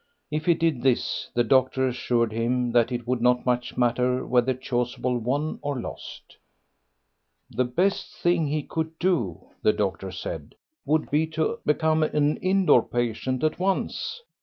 If he did this the doctor assured him that it would not much matter whether Chasuble won or lost. "The best thing he could do," the doctor said, "would be to become an in door patient at once.